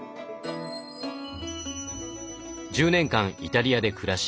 １０年間イタリアで暮らし